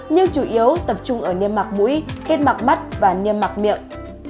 nhưng chủ yếu tập trung ở niêm mạc mũi kết mặc mắt và niêm mạc miệng